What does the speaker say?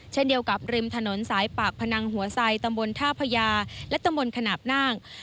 เช่นเดียวกับริมถนนสายปากพนังหัวไซตำบลท่าพญาและตำบลขนาดน่าง